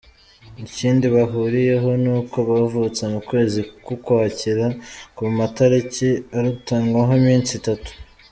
Ikindi bahuriyeho ni uko bavutse mu kwezi k’ Ukwakira, ku matariki arutanwaho iminsi itatu.